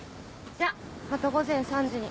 じゃまた午前３時に。